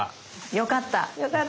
よかった。